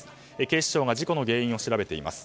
警視庁が事故の原因を調べています。